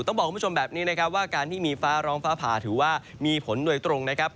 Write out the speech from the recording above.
ต้องบอกคุณผู้ชมแบบนี้นะครับว่าการที่มีฟ้าร้องฟ้าผ่าถือว่ามีผลโดยตรงนะครับ